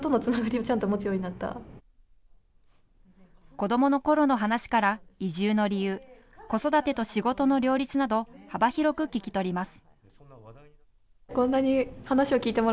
子どものころの話から移住の理由、子育てと仕事の両立など幅広く聞き取ります。